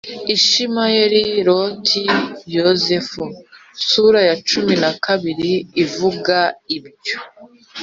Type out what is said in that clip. ishimayeli, loti, yozefu (sura ya cumi na kabiri ivuga ibye)